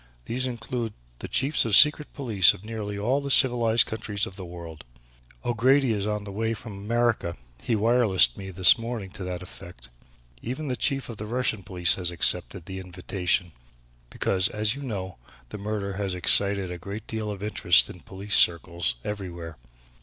These include the Chiefs of the Secret Police of nearly all the civilized countries of the world. O'Grady is on his way from America, he wirelessed me this morning to that effect. Even the Chief of the Russian police has accepted the invitation, because, as you know, this murder has excited a great deal of interest in police circles everywhere.